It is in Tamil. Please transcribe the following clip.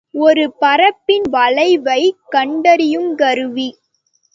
ஒரு பரப்பின் வளைவைக் கண்டறியுங் கருவி.